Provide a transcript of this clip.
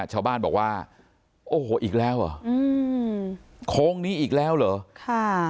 ชาวบ้านบอกว่าโอ้โหอีกแล้วเหรออืมโค้งนี้อีกแล้วเหรอค่ะ